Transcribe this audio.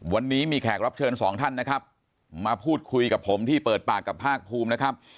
วันนี้มีแขกรับเชิญสองท่านนะครับมาพูดคุยกับผมที่เปิดปากกับภาคภูมินะครับ